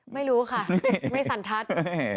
ไม่รู้ค่ะไม่สันทัศน์